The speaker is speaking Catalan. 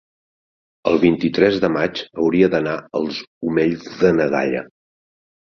el vint-i-tres de maig hauria d'anar als Omells de na Gaia.